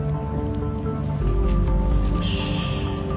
よし。